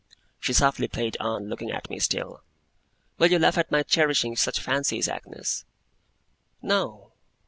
She softly played on, looking at me still. 'Will you laugh at my cherishing such fancies, Agnes?' 'No!